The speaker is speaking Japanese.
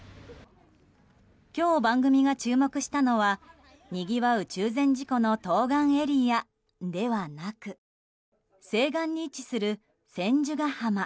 今日、番組が注目したのはにぎわう中禅寺湖の東岸エリアではなく西岸に位置する千手ヶ浜。